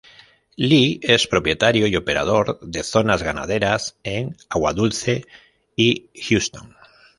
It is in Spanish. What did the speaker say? Lee es propietario y operador de zonas ganaderas en Aguadulce y Houston.